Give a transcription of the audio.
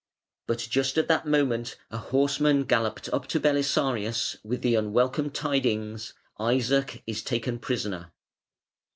But just at that moment a horseman galloped up to Belisarius with the unwelcome tidings "Isaac is taken prisoner".